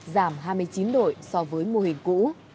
giảm hai mươi chín đội so với mô hình cũ